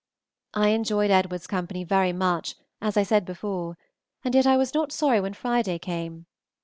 I enjoyed Edward's company very much, as I said before, and yet I was not sorry when Friday came.